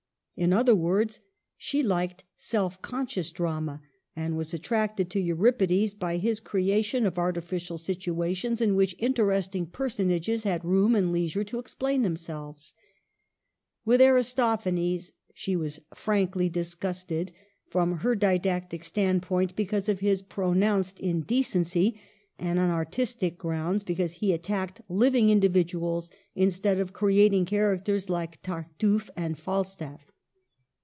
In other words, she liked self conscious drama, and was attracted to Euripides by his creation of arti? Digitized by VjOOQIC 2l8 MADAME DE STAEL. ficial situations, in which interesting personages had room and leisure to explain themselves. With Aristophanes she was frankly disgusted ; from her didactic standpoint, because of his pro nounced indecency; and on artistic grounds, because he attacked living individuals instead of creating characters like Tartufe and Falstaff.